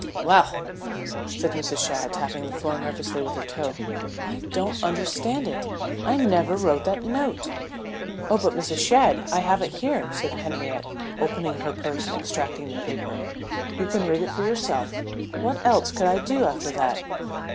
"Well," said Mrs. Shadd, tapping the floor nervously with her toe. "I don't understand it. I never wrote that note." "Oh, but Mrs. Shadd I have it here," said Henriette, opening her purse and extracting the paper. "You can read it for yourself. What else could I do after that?"